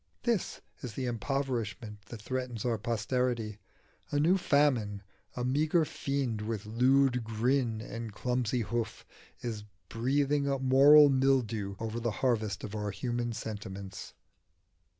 This is the impoverishment that threatens our posterity: a new Famine, a meagre fiend with lewd grin and clumsy hoof, is breathing a moral mildew over the harvest of our human sentiments.